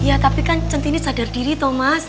ya tapi kan centini sadar diri thomas